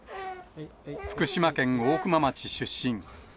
福島県大熊町出身。